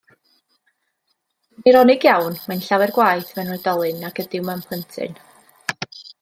Yn eironig iawn, mae'n llawer gwaeth mewn oedolyn nag ydyw mewn plentyn.